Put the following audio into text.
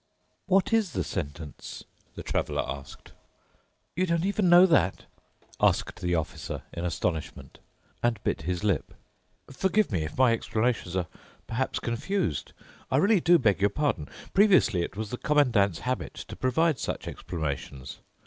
"What is the sentence?" the Traveler asked. "You don't even know that?" asked the Officer in astonishment and bit his lip. "Forgive me if my explanations are perhaps confused. I really do beg your pardon. Previously it was the Commandant's habit to provide such explanations.